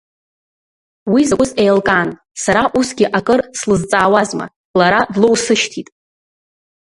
Уи закәыз еилкаан, сара усгьы акыр слызҵаауазма, лара длоусышьҭит.